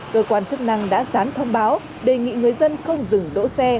cơ quan chức năng đã gián thông báo đề nghị người dân không dừng đỗ xe